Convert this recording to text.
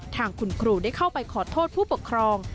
ทางคุณครูได้เข้าไปขอโทษผู้ปกครอง